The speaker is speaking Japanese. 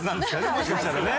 もしかしたらね。